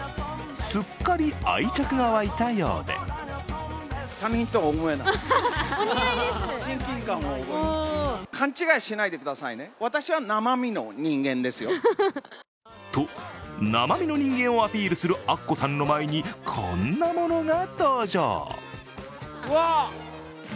すっかり愛着が沸いたようでと、生身の人間をアピールするアッコさんの前に、こんなものが登場。